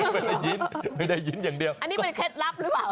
ไม่ได้ยินไม่ได้ยินอย่างเดียวอันนี้เป็นเคล็ดลับหรือเปล่า